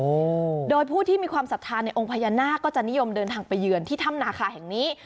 โอ้โหโดยผู้ที่มีความศรัทธาในองค์พญานาคก็จะนิยมเดินทางไปเยือนที่ถ้ำนาคาแห่งนี้